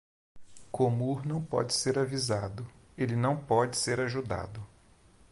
Komur não pode ser avisado, ele não pode ser ajudado.